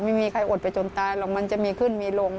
ไม่มีใครอดไปจนตายหรอกมันจะมีขึ้นมีลง